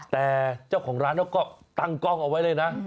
แต่เจ้าของร้านเขาก็ตั้งกล้องเอาไว้เลยนะ